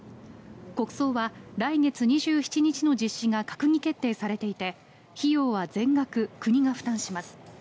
国葬は来月２７日の実施が閣議決定されていて費用は全額、国が負担します。